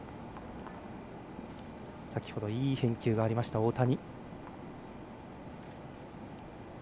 先ほどいい返球がありました大谷。